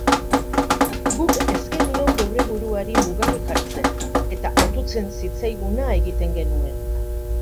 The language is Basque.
Guk ez genion geure buruari mugarik jartzen, eta otutzen zitzaiguna egiten genuen.